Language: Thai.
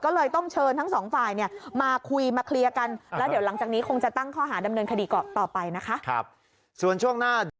ของหนูหนูช่วยเขาทุกอย่างนะ